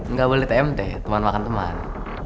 nggak boleh tmt teman makan teman